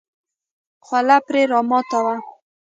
خوله پرې راماته وه.